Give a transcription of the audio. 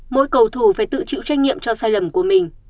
mỗi cầu thủ phải tự chịu trách nhiệm cho sai lầm của mình